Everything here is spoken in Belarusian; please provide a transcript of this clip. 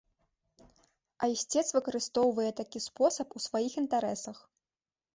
А ісцец выкарыстоўвае такі спосаб у сваіх інтарэсах.